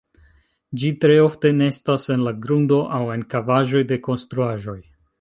Ĝi tre ofte nestas en la grundo aŭ en kavaĵoj de konstruaĵoj.